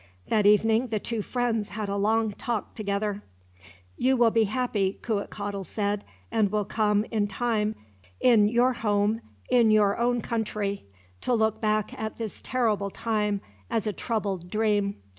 That evening, the two friends had a long talk together. "You will be happy," Cuitcatl said, "and will come, in time, in your home in your own country, to look back at this terrible time as a troubled dream.